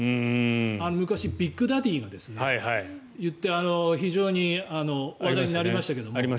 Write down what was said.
昔、ビッグダディが言って非常に話題になりましたけど。